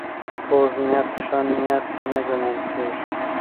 کوږ نیت ښه نیت نه ګڼل کېږي